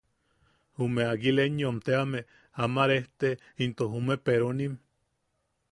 Jume Aguilenyom teame ama rejte into jume peronim.